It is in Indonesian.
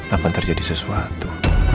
akan terjadi sesuatu